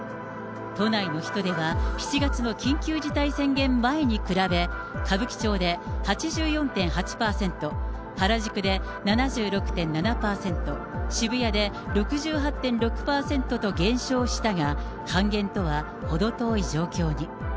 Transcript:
都内の人出は、７月の緊急事態宣言前に比べ、歌舞伎町で８４．８％、原宿で７６．７％、渋谷で６８．６％と減少したが、半減とは程遠い状況に。